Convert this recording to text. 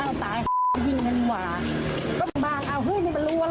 อ้าวตายยิงเงินหว่าก็บ้างเอ้าเฮ้ยมันรู้อะไรวะ